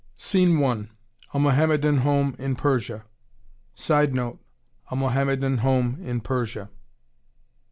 Scene One: A Mohammedan home in Persia. [Sidenote: A Mohammedan home in Persia.